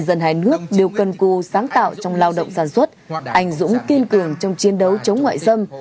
điều cân cư sáng tạo trong lao động sản xuất ảnh dũng kiên cường trong chiến đấu chống ngoại dâm